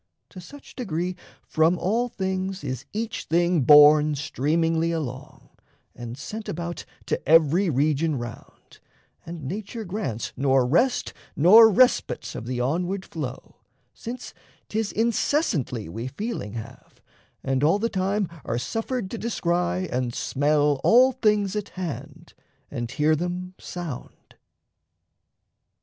To such degree from all things is each thing Borne streamingly along, and sent about To every region round; and nature grants Nor rest nor respite of the onward flow, Since 'tis incessantly we feeling have, And all the time are suffered to descry And smell all things at hand, and hear them sound.